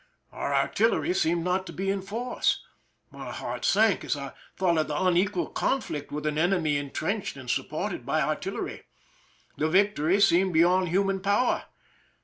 Our artil lery seemed not to be in force. My heart sank as I thought of the unequal conflict with an enemy intrenched and supported by artillery. The vic tory seemed beyond human power.